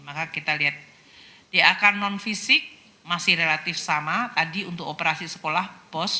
maka kita lihat dia akan non fisik masih relatif sama tadi untuk operasi sekolah pos